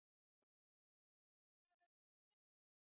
Na mwaka uliofuata Idhaa ya Kiswahili ya Sauti ya Amerika